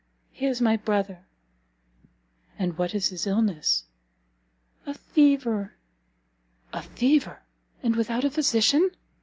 He is my brother." "And what is his illness?" "A fever." "A fever, and without a physician!